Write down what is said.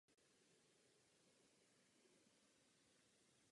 Boční oltáře byly zdobeny obrazy Spasitele světa a Immaculaty.